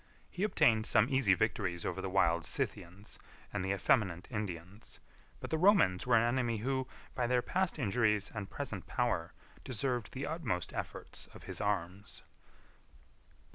He obtained some easy victories over the wild Scythians and the effeminate Indians; but the Romans were an enemy, who, by their past injuries and present power, deserved the utmost efforts of his arms.